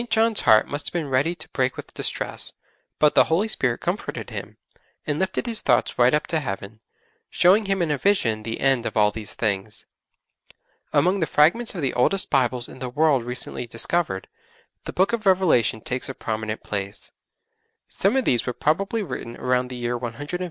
John's heart must have been ready to break with distress, but the Holy Spirit comforted him, and lifted his thoughts right up to Heaven, showing him in a vision the end of all these things. Among the fragments of the oldest Bibles in the world recently discovered, the Book of Revelation takes a prominent place. Some of these were probably written about the year 150 A.D.